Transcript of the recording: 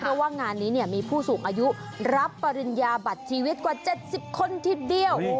เพราะว่างานนี้มีผู้สูงอายุรับปริญญาบัตรชีวิตกว่า๗๐คนทีเดียว